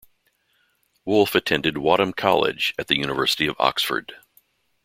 Wolfe attended Wadham College at the University of Oxford.